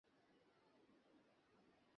Connect করতে পারেনি।